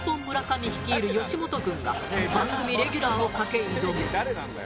上率いる吉本軍が番組レギュラーを懸け挑む。